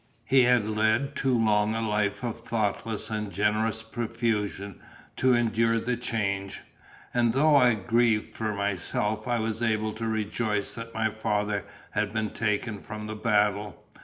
He had led too long a life of thoughtless and generous profusion to endure the change; and though I grieved for myself, I was able to rejoice that my father had been taken from the battle.